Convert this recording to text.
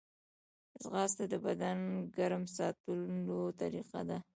ځغاسته د بدن ګرم ساتلو طریقه ده